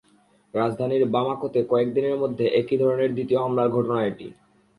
রাজধানী বামাকোতে কয়েক দিনের মধ্যে একই ধরনের দ্বিতীয় হামলার ঘটনা এটি।